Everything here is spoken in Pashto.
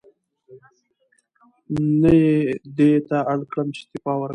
نن یې دې ته اړ کړم چې استعفا ورکړم.